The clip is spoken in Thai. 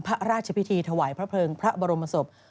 พระราชพิธีถวายพระเพลิงพระบรมศพ